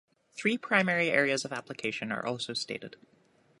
Three primary areas of application are also stated.